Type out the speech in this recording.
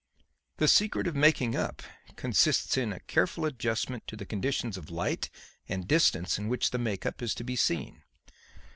The secret of making up consists in a careful adjustment to the conditions of light and distance in which the make up is to be seen.